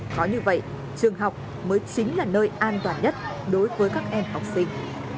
có như vậy trường học mới chính là nơi an toàn nhất đối với các em học sinh